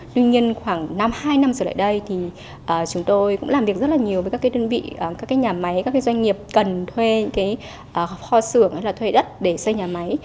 tuy nhiên khoảng năm hai năm rồi lại đây thì chúng tôi cũng làm việc rất là nhiều với các đơn vị các nhà máy các doanh nghiệp cần thuê kho sưởng hay thuê đất để xây nhà máy